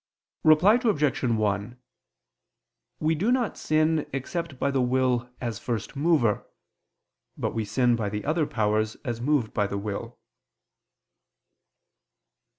Reply Obj. 1: We do not sin except by the will as first mover; but we sin by the other powers as moved by the will.